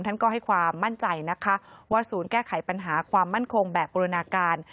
ท่านก็ให้ความมั่นใจนะคะว่าศูนย์แก้ไขปัญหาความมั่นคงแบบบูรณาการ